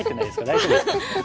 大丈夫ですか？